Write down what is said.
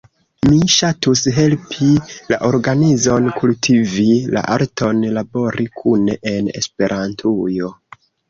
Mi ŝatus helpi la organizon kultivi la arton labori kune en Esperantujo.